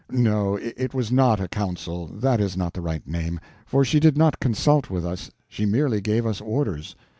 No, it was not a council, that is not the right name, for she did not consult with us, she merely gave us orders.